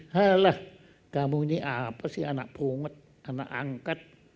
halah kamu ini apa sih anak pungut anak angkat